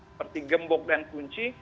seperti gembok dan kunci